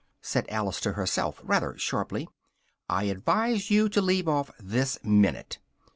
said Alice to herself rather sharply, "I advise you to leave off this minute!"